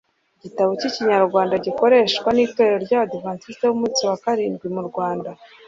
igitabo cy'ikinyarwanda gikoreshwa n'itorero ry'abadiventiste b'umunsi wa karindwi mu rwanda